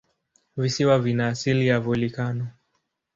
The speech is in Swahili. Visiwa vina asili ya volikano.